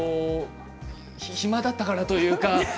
暇だったからというか。